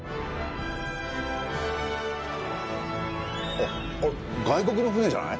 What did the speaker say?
あっこれ外国の船じゃない？